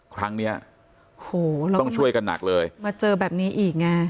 ครั้งเนี้ยโอ้โหเราต้องช่วยกันหนักเลยมาเจอแบบนี้อีกไง